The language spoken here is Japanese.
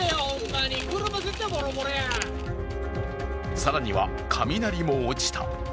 更には雷も落ちた。